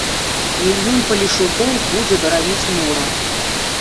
Мільён палешукоў будзе бараніць мора.